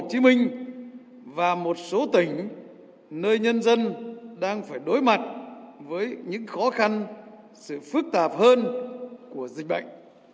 hồ chí minh và một số tỉnh nơi nhân dân đang phải đối mặt với những khó khăn sự phức tạp hơn của dịch bệnh